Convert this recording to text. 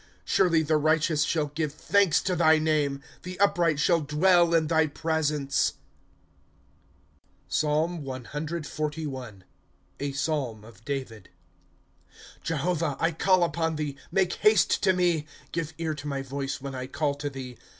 ^^ Surely the righteous shall give thanks to thy name ; The upright shall dwell in thy presence. PSALM CXLL A Paalm of David. ' Jehovah, I call upon thee ; make haste to me ; Give ear to my voice, when I call to the^.